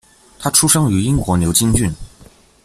他出生于英国牛津郡。